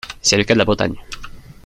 C’est le cas de la Bretagne.